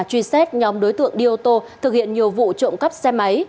truy xét nhóm đối tượng đi ô tô thực hiện nhiều vụ trộm cắp xe máy